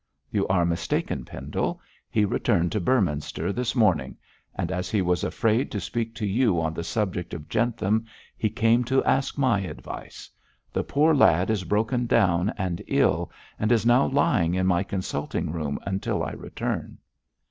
'You are mistaken, Pendle. He returned to Beorminster this morning, and as he was afraid to speak to you on the subject of Jentham, he came to ask my advice. The poor lad is broken down and ill, and is now lying in my consulting room until I return.'